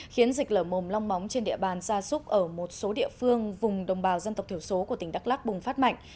khiến dịch lở mồm long móng trên địa bàn gia súc ở một số địa phương vùng đồng bào dân tộc thiểu số của tỉnh đắk lắc bùng phát mạnh